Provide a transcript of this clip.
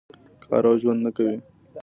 کار او ژوند نه کوي.